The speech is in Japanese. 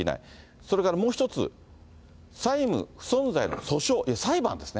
それからもう一つ、債務不存在の訴訟、裁判ですね。